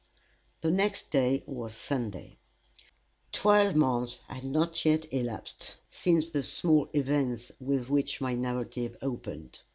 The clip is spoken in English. The next day was Sunday. Twelve months had not yet elapsed since the small events with which my narrative opened.